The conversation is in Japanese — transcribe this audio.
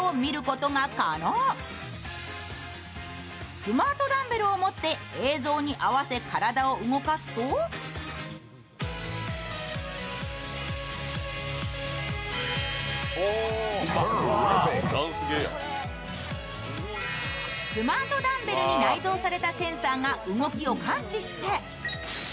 スマートダンベルを持って映像に合わせて体を動かすとスマートダンベルに内蔵されたセンサーが動きを感知します。